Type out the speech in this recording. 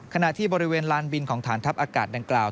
ขณะที่บริเวณลานบินของฐานทัพอากาศดังกล่าว